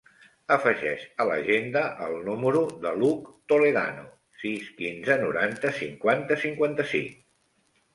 Afegeix a l'agenda el número de l'Hug Toledano: sis, quinze, noranta, cinquanta, cinquanta-cinc.